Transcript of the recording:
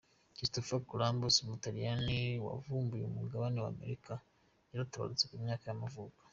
Christopher Columbus, umutaliyani wavumbuye umugabane wa Amerika yaratabarutse, ku myaka y’amavuko.